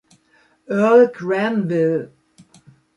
Earl Granville.